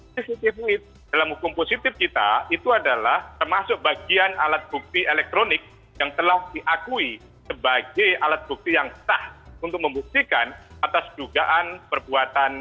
cctv dalam hukum positif kita itu adalah termasuk bagian alat bukti elektronik yang telah diakui sebagai alat bukti yang sah untuk membuktikan atas dugaan perbuatan